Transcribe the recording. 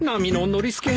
ノリスケ